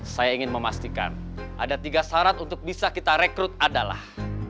saya ingin memastikan ada tiga syarat untuk bisa kita rekrut adalah